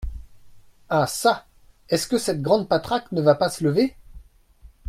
Ah ça ! est-ce que cette grande patraque ne va pas se lever ?